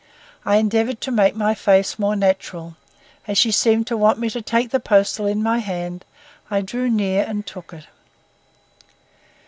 I endeavored to make my face more natural. As she seemed to want me to take the postal in my hand I drew near and took it.